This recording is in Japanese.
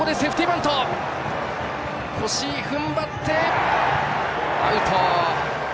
バント越井、ふんばってアウト。